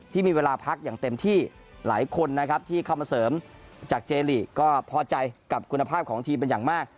ที่เข้ามาเสริมจากเจริก็พอใจกับคุณภาพของทีมเป็นอย่างมาก